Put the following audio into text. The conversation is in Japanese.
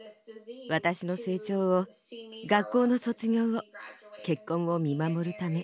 私の成長を学校の卒業を結婚を見守るため。